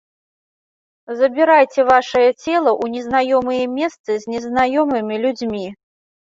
Забірайце вашае цела ў незнаёмыя месцы з незнаёмымі людзьмі.